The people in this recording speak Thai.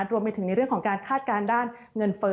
รวมไปถึงในเรื่องของการคาดการณ์ด้านเงินเฟ้อ